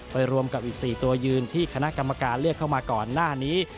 รวมกับอีก๔ตัวยืนที่คณะกรรมการเลือกเข้ามาก่อนหน้านี้